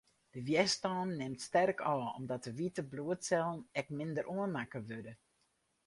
De wjerstân nimt sterk ôf, omdat de wite bloedsellen ek minder oanmakke wurde.